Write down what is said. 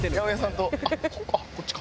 あっこっちか。